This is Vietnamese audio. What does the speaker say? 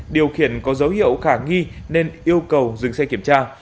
điều khiển có dấu hiệu khả nghi nên yêu cầu dừng xe kiểm tra